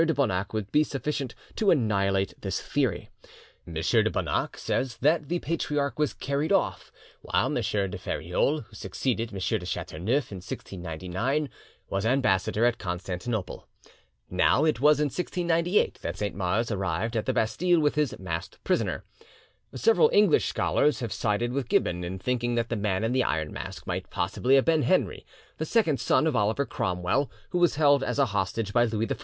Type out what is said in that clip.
de Bonac would be sufficient to annihilate this theory. M. de Bonac says that the Patriarch was carried off, while M. de Feriol, who succeeded M. de Chateauneuf in 1699, was ambassador at Constantinople. Now it was in 1698 that Saint Mars arrived at the Bastille with his masked prisoner. Several English scholars have sided with Gibbon in thinking that the Man in the Iron Mask might possibly have been Henry, the second son of Oliver Cromwell, who was held as a hostage by Louis XIV.